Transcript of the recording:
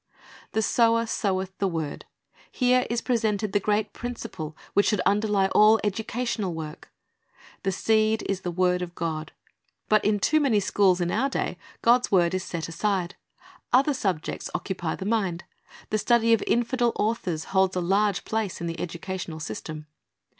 "^ "The sower soweth the word." Here is presented the great principle which should underlie all educational work. "The seed is the word of God." But in too many schools of our day God's word is set aside. Other subjects occupy the mind. The study of infidel authors holds a large place in the educational system.